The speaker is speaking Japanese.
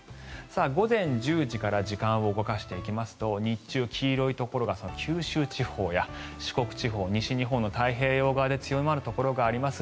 午前１０時から時間を動かしていきますと日中、黄色いところが九州地方や四国地方西日本の太平洋側で強まるところがあります。